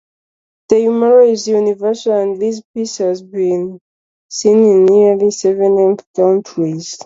The humour is universal and this piece has been seen in nearly seventy countries.